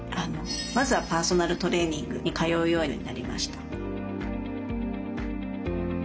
まずはパーソナルトレーニングに通うようになりました。